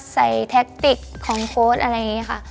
แท็กติกของโค้ดอะไรอย่างนี้ค่ะ